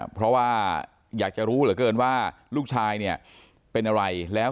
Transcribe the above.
เพราะว่าอยากจะรู้เหลือเกินว่าลูกชายเนี่ยเป็นอะไรแล้ว